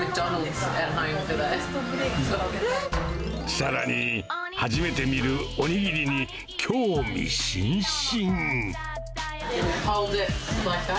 さらに、初めて見るお握りに、興味津々。